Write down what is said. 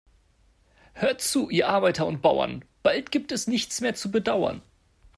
Hört zu, ihr Arbeiter und Bauern, bald gibt es nichts mehr zu bedauern.